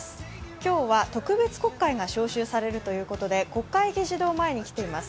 今日は、特別国会が召集されるということで国会議事堂前に来ています。